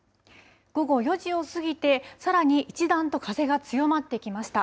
午後４時を過ぎて、さらに一段と風が強まってきました。